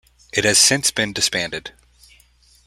It has since been disbanded.